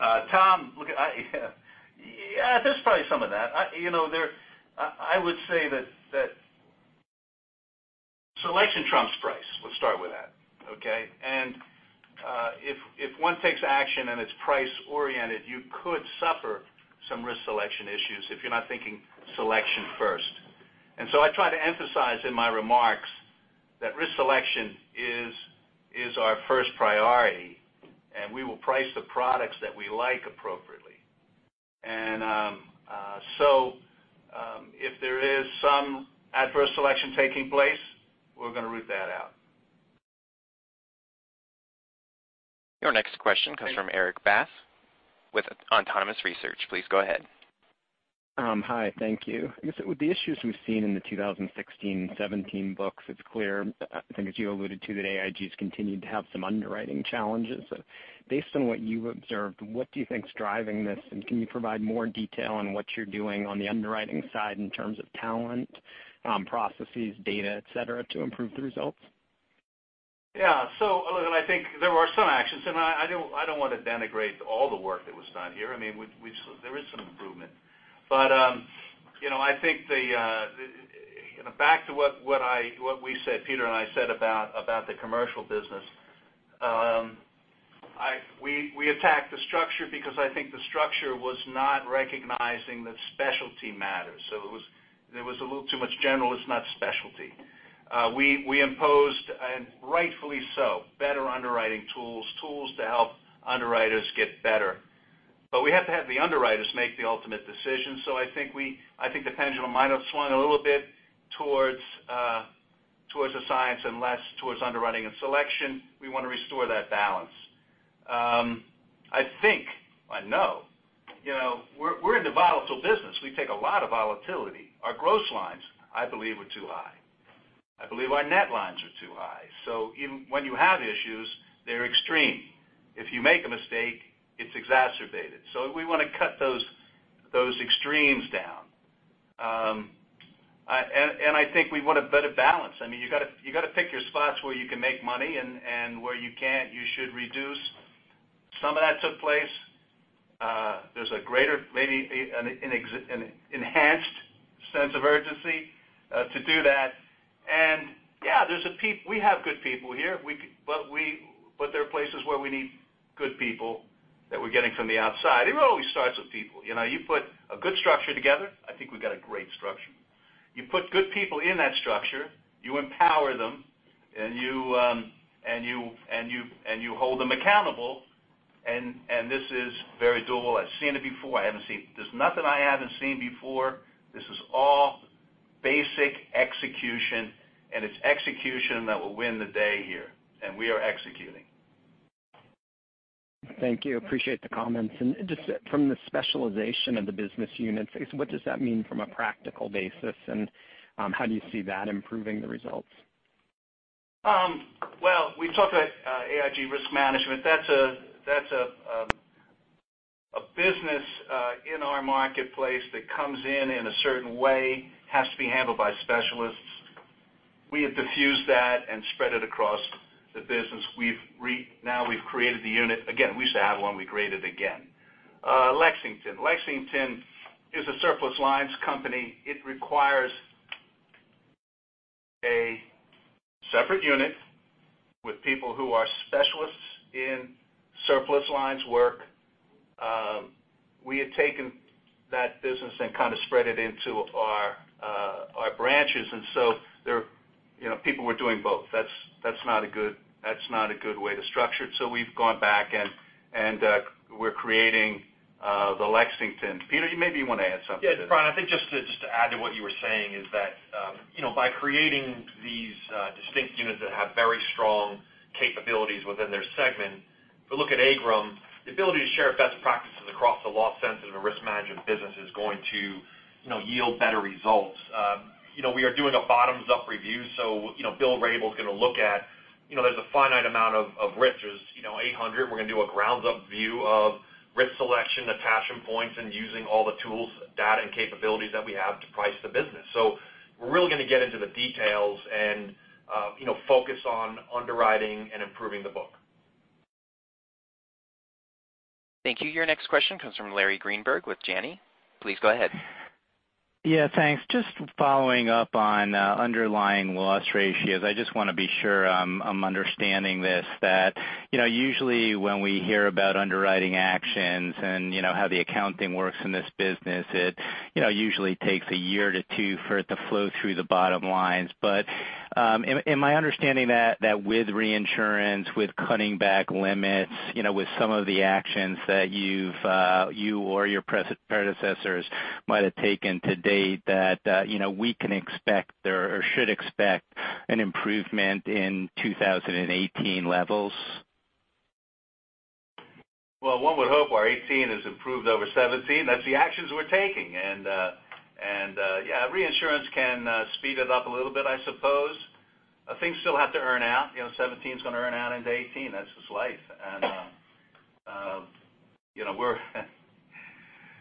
Tom, look, there's probably some of that. I would say that selection trumps price. Let's start with that, okay? If one takes action and it's price-oriented, you could suffer some risk selection issues if you're not thinking selection first. I try to emphasize in my remarks that risk selection is our first priority, and we will price the products that we like appropriately. If there is some adverse selection taking place, we're going to root that out. Your next question comes from Erik Bass with Autonomous Research. Please go ahead. Hi. Thank you. With the issues we've seen in the 2016 and 2017 books, it's clear, I think as you alluded to, that AIG's continued to have some underwriting challenges. Based on what you've observed, what do you think is driving this, and can you provide more detail on what you're doing on the underwriting side in terms of talent, processes, data, et cetera, to improve the results? Yeah. Look, I think there are some actions, I don't want to denigrate all the work that was done here. There is some improvement. I think back to what we said, Peter and I said about the commercial business, we attacked the structure because I think the structure was not recognizing that specialty matters. There was a little too much generalist, not specialty. We imposed, and rightfully so, better underwriting tools to help underwriters get better. We have to have the underwriters make the ultimate decision. I think the pendulum might have swung a little bit towards the science and less towards underwriting and selection. We want to restore that balance. I think, I know we're in the volatile business. We take a lot of volatility. Our gross lines, I believe, are too high. I believe our net lines are too high. When you have issues, they're extreme. If you make a mistake, it's exacerbated. We want to cut those extremes down. I think we want a better balance. You got to pick your spots where you can make money, and where you can't, you should reduce. Some of that took place. There's a greater, maybe an enhanced sense of urgency to do that. Yeah, we have good people here, but there are places where we need good people that we're getting from the outside. It always starts with people. You put a good structure together, I think we've got a great structure. You put good people in that structure, you empower them, and you hold them accountable, and this is very doable. I've seen it before. There's nothing I haven't seen before. This is all basic execution, it's execution that will win the day here, we are executing. Thank you. Appreciate the comments. Just from the specialization of the business units, what does that mean from a practical basis, and how do you see that improving the results? Well, we talk about AIG Risk Management. That's a business in our marketplace that comes in in a certain way, has to be handled by specialists. We have diffused that and spread it across the business. Now we've created the unit. Again, we used to have one, we created again. Lexington. Lexington is a surplus lines company. It requires a separate unit with people who are specialists in surplus lines work. We had taken that business and kind of spread it into our branches, people were doing both. That's not a good way to structure it, we've gone back and we're creating the Lexington. Peter, maybe you want to add something to that. Yes, Brian, I think just to add to what you were saying is that by creating these distinct units that have very strong capabilities within their segment. If you look at AIGRM, the ability to share best practices across the loss centers of a risk management business is going to yield better results. We are doing a bottoms-up review, Bill Rabl is going to look at, there's a finite amount of risk. There's 800. We're going to do a grounds-up view of risk selection, attachment points, using all the tools, data, and capabilities that we have to price the business. We're really going to get into the details and focus on underwriting and improving the book. Thank you. Your next question comes from Larry Greenberg with Janney. Please go ahead. Yeah, thanks. Just following up on underlying loss ratios. I just want to be sure I'm understanding this, that usually when we hear about underwriting actions and how the accounting works in this business, it usually takes one to two for it to flow through the bottom lines. Am I understanding that with reinsurance, with cutting back limits, with some of the actions that you or your predecessors might have taken to date, that we can expect or should expect an improvement in 2018 levels? Well, one would hope our 2018 has improved over 2017. That's the actions we're taking. Yeah, reinsurance can speed it up a little bit, I suppose. Things still have to earn out. 2017 is going to earn out into 2018. That's just life.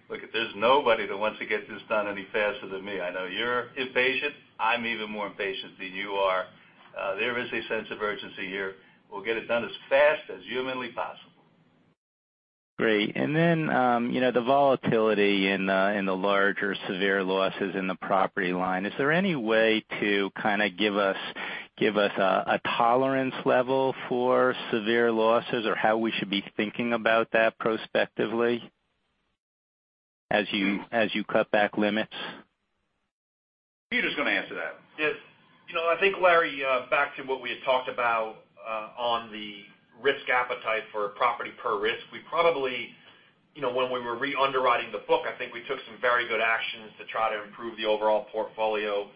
Look, there's nobody that wants to get this done any faster than me. I know you're impatient. I'm even more impatient than you are. There is a sense of urgency here. We'll get it done as fast as humanly possible. Great. Then the volatility in the larger severe losses in the property line. Is there any way to kind of give us a tolerance level for severe losses or how we should be thinking about that prospectively as you cut back limits? Peter's going to answer that. Yes. I think, Larry, back to what we had talked about on the risk appetite for property per risk. When we were re-underwriting the book, I think we took some very good actions to try to improve the overall portfolio.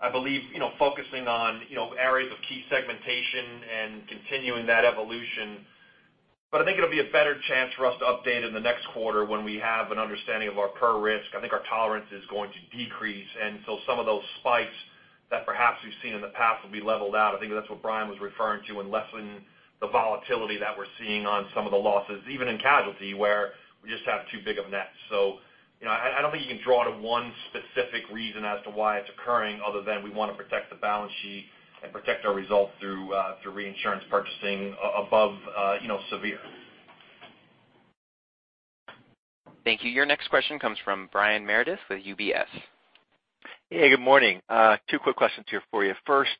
I believe, focusing on areas of key segmentation and continuing that evolution. I think it'll be a better chance for us to update in the next quarter when we have an understanding of our per risk. I think our tolerance is going to decrease, some of those spikes that perhaps we've seen in the past will be leveled out. I think that's what Brian was referring to in lessening the volatility that we're seeing on some of the losses, even in casualty, where we just have too big of net. I don't think you can draw to one specific reason as to why it's occurring other than we want to protect the balance sheet and protect our results through reinsurance purchasing above severe. Thank you. Your next question comes from Brian Meredith with UBS. Hey, good morning. Two quick questions here for you. First,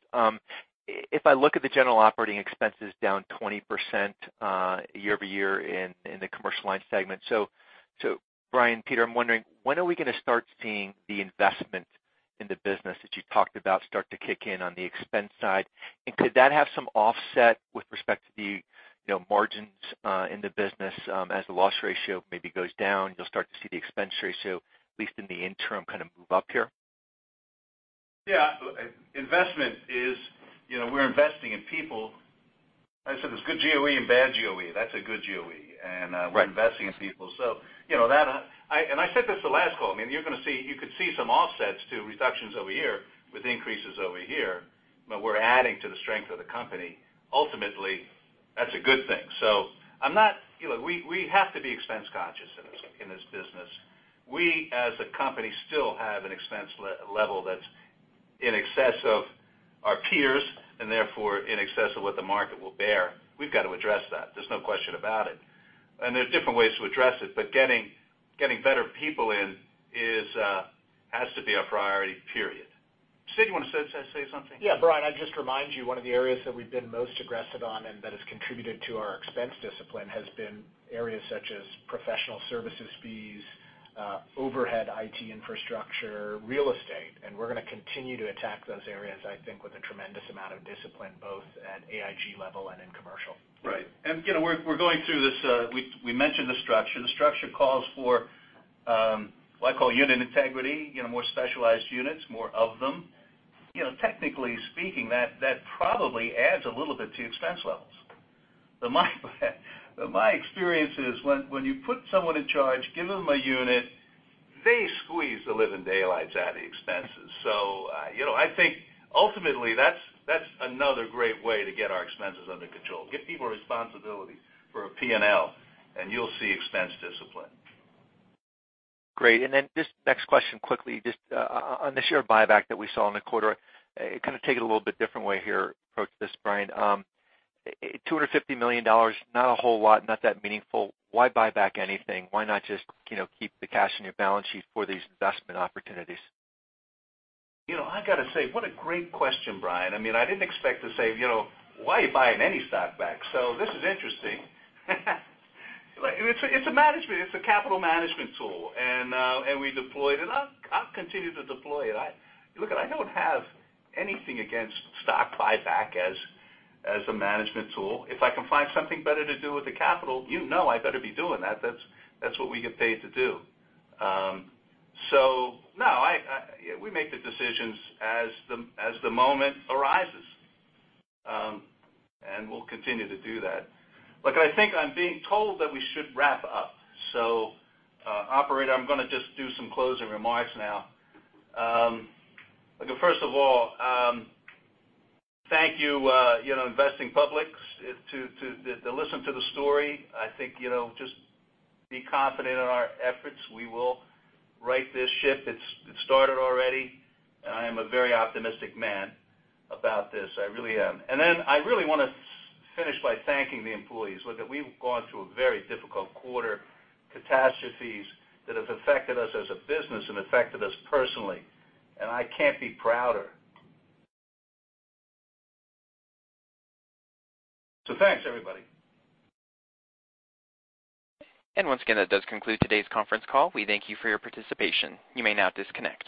if I look at the general operating expenses down 20% year-over-year in the commercial line segment. Brian, Peter, I'm wondering when are we going to start seeing the investment in the business that you talked about start to kick in on the expense side? Could that have some offset with respect to the margins in the business as the loss ratio maybe goes down, you'll start to see the expense ratio, at least in the interim, kind of move up here? Yeah. Investment is we're investing in people. I said there's good GOE and bad GOE. That's a good GOE. Right. We're investing in people. I said this the last call. You could see some offsets to reductions over here with increases over here, but we're adding to the strength of the company. Ultimately, that's a good thing. We have to be expense conscious in this business. We, as a company, still have an expense level that's in excess of our peers, and therefore, in excess of what the market will bear. We've got to address that. There's no question about it. There's different ways to address it, but getting better people in has to be a priority, period. Sid, you want to say something? Yeah, Brian, I'd just remind you, one of the areas that we've been most aggressive on and that has contributed to our expense discipline has been areas such as professional services fees, overhead IT infrastructure, real estate, and we're going to continue to attack those areas, I think with a tremendous amount of discipline, both at AIG level and in commercial. Right. We're going through this, we mentioned the structure. The structure calls for what I call unit integrity, more specialized units, more of them. Technically speaking, that probably adds a little bit to expense levels. My experience is when you put someone in charge, give them a unit, they squeeze the living daylights out of expenses. I think ultimately, that's another great way to get our expenses under control. Give people responsibility for a P&L, and you'll see expense discipline. Great. This next question quickly, just on the share buyback that we saw in the quarter, kind of take it a little bit different way here, approach this, Brian. $250 million, not a whole lot, not that meaningful. Why buy back anything? Why not just keep the cash in your balance sheet for these investment opportunities? I got to say, what a great question, Brian. I didn't expect to say, why are you buying any stock back? This is interesting. It's a capital management tool, and we deployed it, and I'll continue to deploy it. Look, I don't have anything against stock buyback as a management tool. If I can find something better to do with the capital, you know I better be doing that. That's what we get paid to do. No, we make the decisions as the moment arises, and we'll continue to do that. Look, I think I'm being told that we should wrap up. Operator, I'm going to just do some closing remarks now. First of all, thank you investing public to listen to the story. I think just be confident in our efforts. We will right this ship. It's started already, and I am a very optimistic man about this, I really am. I really want to finish by thanking the employees. Look, we've gone through a very difficult quarter, catastrophes that have affected us as a business and affected us personally, and I can't be prouder. Thanks, everybody. Once again, that does conclude today's conference call. We thank you for your participation. You may now disconnect.